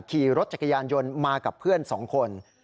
ขี่รถจักรยานยนต์มากับเพื่อน๒คน